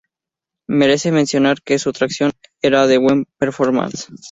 Merece mencionar que su tracción era de buen performance.